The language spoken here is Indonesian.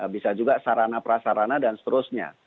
bisa juga sarana prasarana dan seterusnya